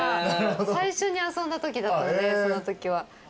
最初に遊んだときだったんでそのときは。